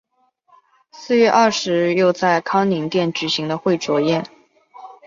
四月二十日又在康宁殿举行了会酌宴。